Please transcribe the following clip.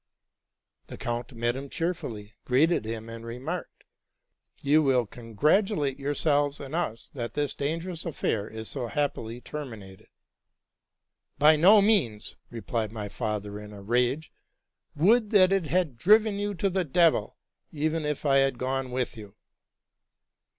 The count met him cheerfully, greeted him, and remarked, '* You will congratulate yourselves and us that this dangerous affair is so happily terminated.'' —'' By no means!'' replied my father in a rage: '* would that it had driven you to the Devil, even if I had gone with you!"